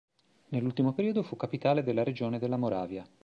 Nell'ultimo periodo fu capitale della regione della Moravia.